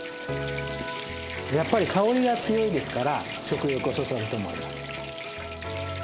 やっぱり香りが強いですから食欲をそそると思います。